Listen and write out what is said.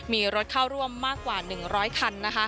มีรถเข้าร่วมมากกว่า๑๐๐คัน